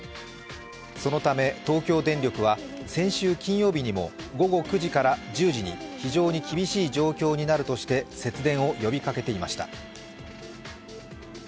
そのため東京電力は先週金曜日にも午後９時から１０時に非常に厳しい状況になるとして節電を呼びかけていました。